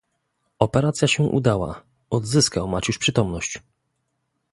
"Operacja się udała: odzyskał Maciuś przytomność."